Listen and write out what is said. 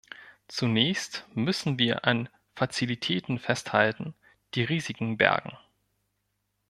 Zunächst müssen wir an Fazilitäten festhalten, die Risiken bergen.